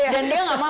dan dia gak mau